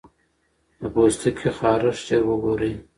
د پوستکي خارښت ژر وګورئ.